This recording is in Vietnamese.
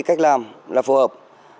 cách làm là phù hợp